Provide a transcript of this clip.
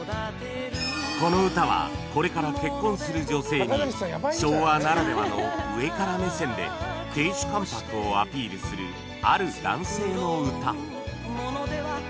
この歌はこれから結婚する女性に昭和ならではの上から目線で亭主関白をアピールするある男性の歌